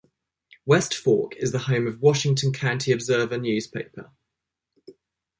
West Fork is the home of the "Washington County Observer" newspaper.